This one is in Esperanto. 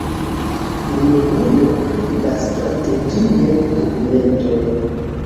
Nenio pri la strategiaj dokumentoj.